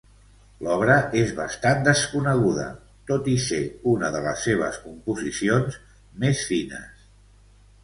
L'obra és bastant desconeguda tot i ser una de les seves composicions més fines.